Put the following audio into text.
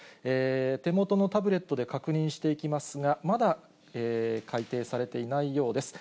手元のタブレットで確認していきますが、まだ改定されていないようです。